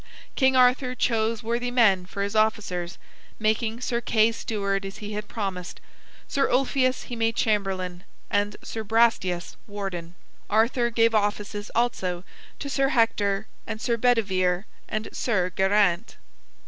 King Arthur chose worthy men for his officers, making Sir Kay steward as he had promised; Sir Ulfius he made chamberlain, and Sir Brastias warden. Arthur gave offices also to Sir Hector and Sir Bedivere and Sir Geraint.